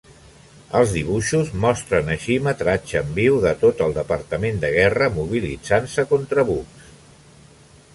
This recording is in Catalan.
Els dibuixos mostren així metratge en viu de tot el Departament de Guerra mobilitzant-se contra Bugs.